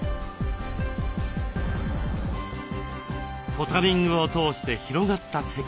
ポタリングを通して広がった世界。